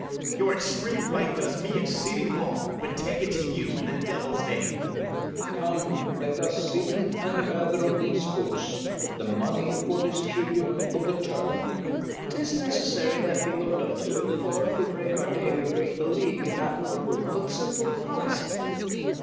BARABAS. Your extreme right does me exceeding wrong: But take it to you, i'the devil's name! FERNEZE. Come, let us in, and gather of these goods The money for this tribute of the Turk. FIRST KNIGHT. 'Tis necessary that be look'd unto; For, if we break our day, we break the league, And that will prove but simple policy.